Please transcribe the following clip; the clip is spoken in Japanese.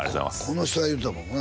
この人が言うてたもん